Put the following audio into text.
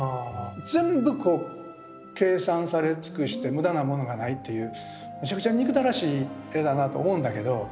全部こう計算され尽くして無駄なものがないっていうむちゃくちゃ憎たらしい絵だなぁと思うんだけど。